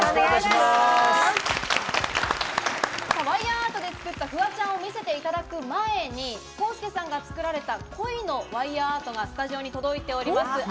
ワイヤアートで作ったフワちゃんを見せていただく前に、Ｋｏ−ＳＵＫＥさんが作られた鯉のワイヤアートがスタジオに届いております。